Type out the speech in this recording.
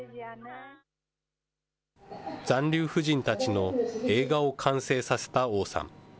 残留婦人たちの映画を完成させた王さん。